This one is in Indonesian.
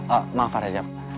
oh maaf pak rajab